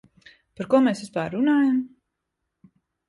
Par ko mēs vispār runājam?